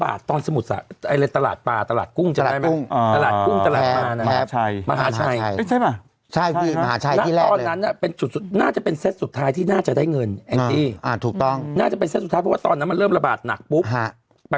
เห็นปะละใครเจอปุ๊บได้แสนนึงอ่ะจำได้ไหมล่ะใช่